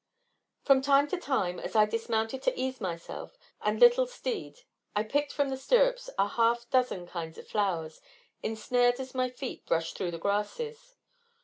From time to time, as I dismounted to ease myself and little steed I picked from the stirrups a half dozen kinds of flowers, ensnared as my feet brushed through the grasses.